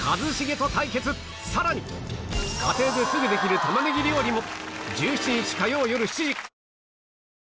さらに家庭ですぐできる玉ねぎ料理も